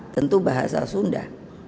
tentu bahasa sunda